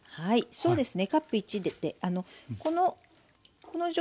そうですね。